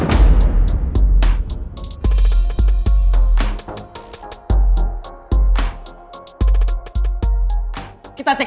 kita cek aja nanti juga pasti bakal ketahuan siapa yang udah naruh pasir di makan si mel